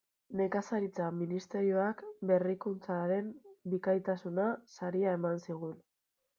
Nekazaritza Ministerioak Berrikuntzaren bikaintasuna saria eman zigun.